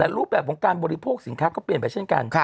แต่รูปแบบของการบริโภคสินค้าก็เปลี่ยนไปเช่นกัน